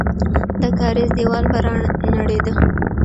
د کارېز دیوال به رانړېده.